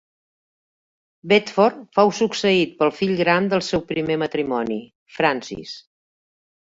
Bedford fou succeït pel fill gran del seu primer matrimoni, Francis.